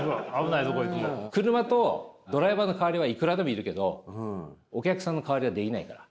車とドライバーの代わりはいくらでもいるけどお客さんの代わりはできないから。